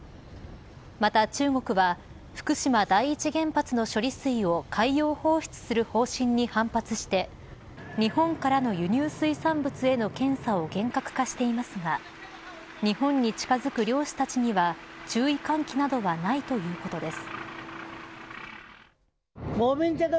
また中国は、福島第一原発の処理水を海洋放出する方針に反発して日本からの輸入水産物への検査を厳格化していますが日本に近づく漁師たちには注意喚起などはないということです。